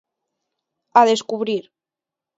A descubrir.